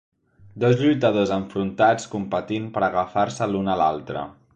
Dos lluitadors enfrontats competint per agafar-se l'un a l'altre.